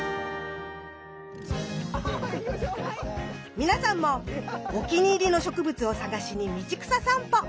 皆さんもお気に入りの植物を探しに道草さんぽ